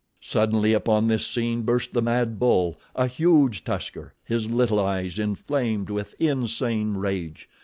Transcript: Suddenly upon this scene burst the mad bull—a huge tusker, his little eyes inflamed with insane rage.